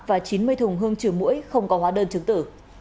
và chín mươi thùng hương trừ mũi không có hóa đơn chứng từ